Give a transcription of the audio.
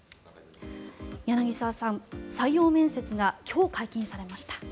柳澤さん、採用面接が今日、解禁されました。